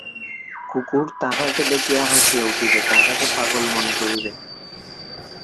কুকুর তাঁহাকে দেখিয়া হাসিয়া উঠিবে, তাঁহাকে পাগল মনে করিবে।